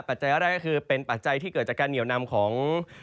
ปัจจัยแรกก็คือเป็นปัจจัยที่เกิดจากการเหนียวนำของ